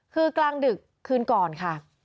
คือกลางดึกคืนก่อนค่ะ